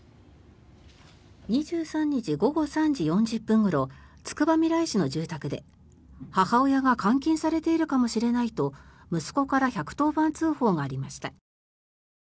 ２３日午後３時４０分ごろつくばみらい市の住宅で母親が監禁されているかもしれないと息子から１１０番通報がありました。